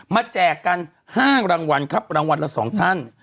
แจกกัน๕รางวัลครับรางวัลละ๒ท่าน